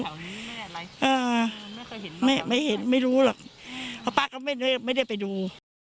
แถวนี้ไม่ได้อะไรไม่เห็นไม่รู้หรอกปะปะก็ไม่ได้ไม่ได้ไปดู